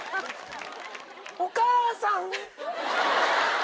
お母さん？